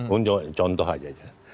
untuk contoh saja